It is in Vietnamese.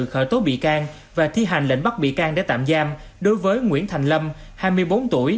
khởi tố bị can và thi hành lệnh bắt bị can để tạm giam đối với nguyễn thành lâm hai mươi bốn tuổi